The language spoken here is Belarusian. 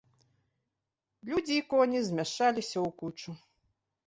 Людзі і коні змяшаліся ў кучу.